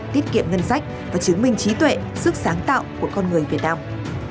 tiết kiệm ngân sách và chứng minh trí tuệ sức sáng tạo của con người việt nam